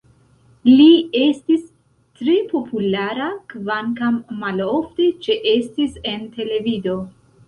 Li estis tre populara, kvankam malofte ĉeestis en televido.